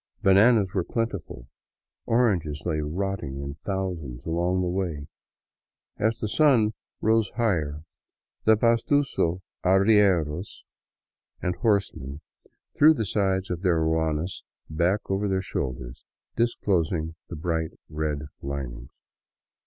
Bananas were plentiful; oranges lay rotting in thou sands along the way. As the sun rose higher the pastuso arrieros and 109 VAGABONDING DOWN THE ANDES horsemen threw the sides of their ruanas back over their shoulders, disclosing the bright red linings.